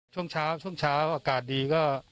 ช่วงเช้าช่วงเช้าอากาศดีก็